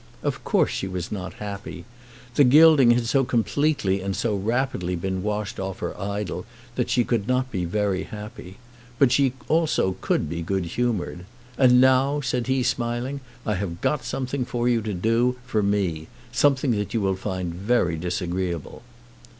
Of course she was not happy. The gilding had so completely and so rapidly been washed off her idol that she could not be very happy. But she also could be good humoured. "And now," said he, smiling, "I have got something for you to do for me, something that you will find very disagreeable."